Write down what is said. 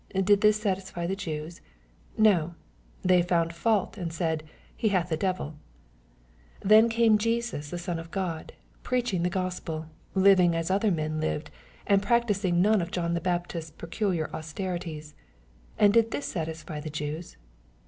Did this satisfy the Jews ? No 1 They found fault and said, " He hath a devil." — Then came Jesus the Son of God, preaching the Gospel, living as other men lived, and practising none of John the Baptist's peculiar austerities. And did this satisfy the Jews